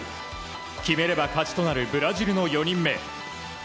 決めれば勝ちとなるブラジルの４人目。